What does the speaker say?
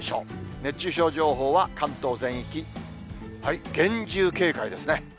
熱中症情報は関東全域、厳重警戒ですね。